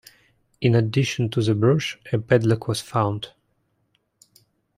In addition to the brooch, a padlock was found.